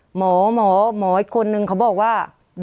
หมอหมออีกคนนึงเขาบอกว่า